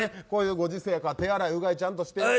こういうご時世やから手洗い・うがい、ちゃんとして。